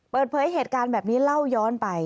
เปิดเผยเหตุการณ์แบบนี้เล่าย้อนไป